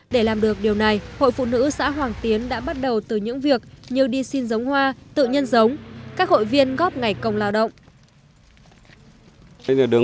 để làm được điều này hội phụ nữ xã hoàng tiến đã bắt đầu từ những việc như đi xin giống hoa tự nhân giống các hội viên góp ngày công lao động